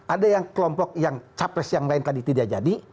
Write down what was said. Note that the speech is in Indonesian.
ada yang kelompok yang capres yang lain tadi tidak jadi